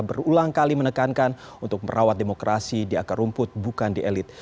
berulang kali menekankan untuk merawat demokrasi di akar rumput bukan di elit